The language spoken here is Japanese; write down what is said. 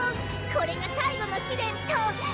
これが最後の試練トン